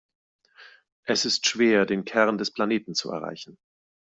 Es ist schwer, den Kern des Planeten zu erreichen.